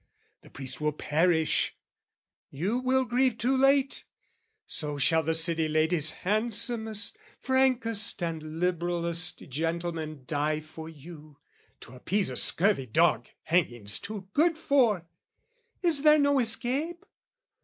"The priest will perish; you will grieve too late: "So shall the city ladies' handsomest, "Frankest and liberalest gentleman "Die for you, to appease a scurvy dog "Hanging's too good for. Is there no escape?